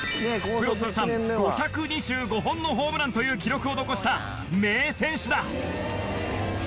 プロ通算５２５本のホームランという記録を残した名選手だ！